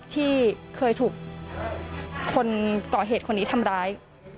ที่เคยถูกคนก่อเหตุคนนี้ทำร้าย